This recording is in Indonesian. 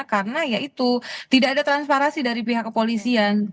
karena ya itu tidak ada transparansi dari pihak kepolisian